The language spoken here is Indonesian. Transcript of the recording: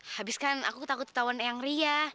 habiskan aku takut ketahuan yang ria